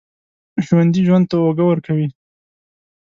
ژوندي ژوند ته اوږه ورکوي